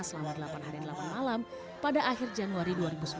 selama delapan hari delapan malam pada akhir januari dua ribu sembilan belas